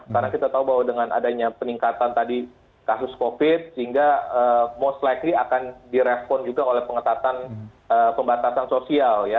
karena kita tahu bahwa dengan adanya peningkatan tadi kasus covid sehingga most likely akan direspon juga oleh pengetatan pembatasan sosial ya